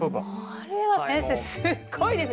これは先生すっごいですね！